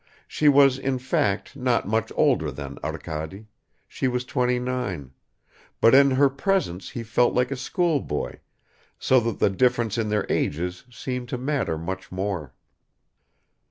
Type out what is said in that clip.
She was in fact not much older than Arkady she was twenty nine but in her presence he felt like a schoolboy, so that the difference in their ages seemed to matter much more.